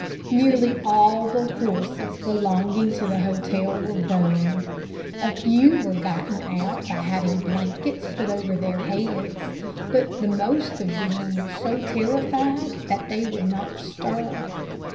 Nearly all the horses belonging to the hotel were burned. A few were gotten out by having blankets put over their heads, but the most of them were so terrified that they would not stir.